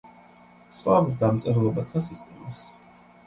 სლავურ დამწერლობათა სისტემას.